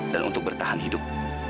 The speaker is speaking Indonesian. dan untuk bertahan hidup